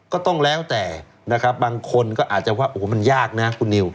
ก็ต้องแล้วแต่บางคนก็อาจจะว่าโอ้มันยากนะคุณนิว